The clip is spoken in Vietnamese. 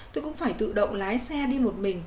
tôi cũng phải tự động lái xe đi một mình